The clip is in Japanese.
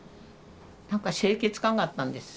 何か清潔感があったんです。